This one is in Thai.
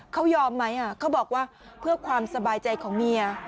เขายอมไหมเขาบอกว่าเพื่อความสบายใจของเมีย